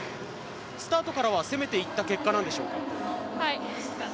スタートからは攻めていった結果なんでしょうか。